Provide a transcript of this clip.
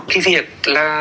khi việc là